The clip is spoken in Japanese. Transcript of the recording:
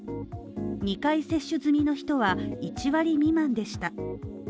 ２回接種済みの人は１割未満でした。